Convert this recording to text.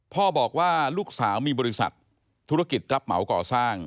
พ่อบอกว่าลูกสาวมีบริษัทธุรกิจรับเหมาก่อสร้าง